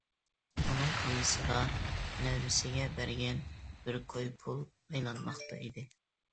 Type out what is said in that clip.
ئۇنىڭ كاللىسىدا نەۋرىسىگە بەرگەن بىر كوي پۇل ئايلانماقتا ئىدى.